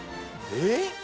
「えっ？」